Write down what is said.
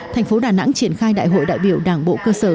thành phố đà nẵng triển khai đại hội đại biểu đảng bộ cơ sở